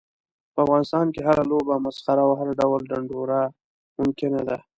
په افغانستان کې هره لوبه، مسخره او هر ډول ډنډوره ممکنه ده.